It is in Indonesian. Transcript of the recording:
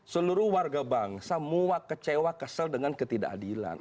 seluruh warga bangsa muak kecewa kesel dengan ketidakadilan